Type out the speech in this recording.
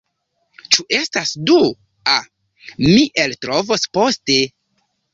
Ĉu estas du? A, mi eltrovos poste.